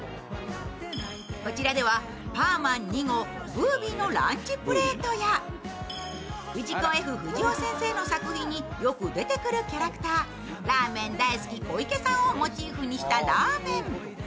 こちらではパーマン２号・ブービーのランチプレートや、藤子・Ｆ・不二雄先生の作品によく出てくるキャラクターラーメン大好き小池さんをモチーフにしたラーメン。